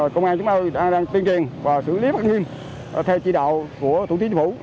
công an chúng ta đang tiên triền và xử lý phát nghiêm theo chỉ đạo của thủ tướng chính phủ